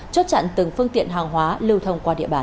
chốt chặn từng phương tiện hàng hóa lưu thông qua địa bàn